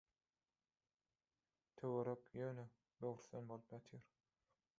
Töwerek, ýöne, böwürslen bolup ýatyr.